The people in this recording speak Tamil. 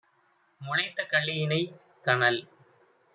முளைத்த கள்ளியினைக் - கனல்